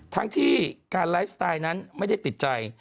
ทั้งที่การไลฟ์สไตล์นั้นไม่ได้ติดใจ